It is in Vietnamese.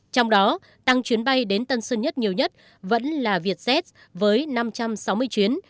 trong đó tăng chuyến bay đến tân sơn nhất nhiều nhất vẫn là vietjet với năm trăm sáu mươi chuyến